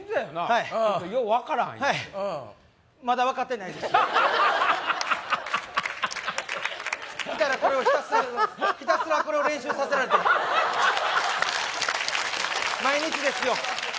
はいはいよう分からん言うてまだ分かってないです来たらこれをひたすらひたすらこれを練習させられて毎日ですよ